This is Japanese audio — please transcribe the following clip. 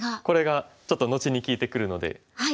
これがちょっと後に利いてくるので。